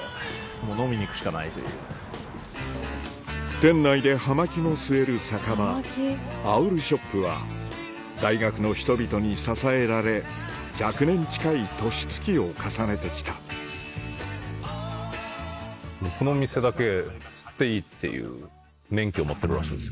店内で葉巻も吸える酒場ＯＷＬＳＨＯＰは大学の人々に支えられ１００年近い年月を重ねて来たこの店だけ吸っていいっていう免許持ってるらしいです。